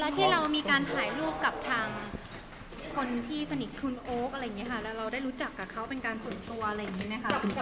แล้วเราได้รู้จักกับเขาเป็นการฝึกตัวอะไรอย่างนี้ไหมครับ